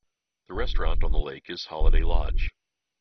The restaurant on the lake is Holiday Lodge.